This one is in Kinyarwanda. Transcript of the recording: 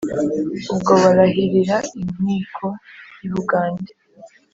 ubwo barahirira inkiko y'i bugande,